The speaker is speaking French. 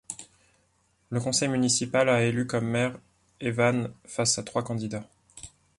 Le conseil municipal a élu comme maire Evans face à trois candidats.